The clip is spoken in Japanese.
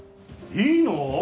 いいの？